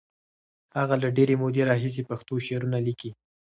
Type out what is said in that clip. هغه له ډېرې مودې راهیسې پښتو شعرونه لیکي.